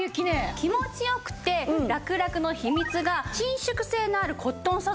気持ち良くてラクラクの秘密が伸縮性のあるコットン素材。